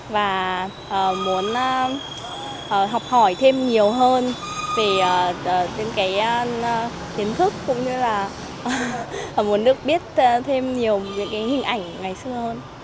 và muốn học hỏi thêm nhiều hơn về những cái kiến thức cũng như là muốn được biết thêm nhiều những hình ảnh ngày xưa hơn